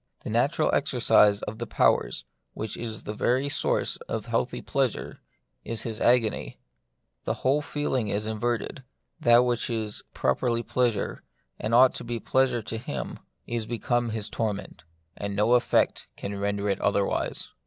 The natural exer cise of the powers, which is the very source of healthy pleasure, is his agony. His whole feeling is inverted ; that which is properly pleasure, and ought to be pleasure to him, is become his torment, and no effort can ren der it otherwise.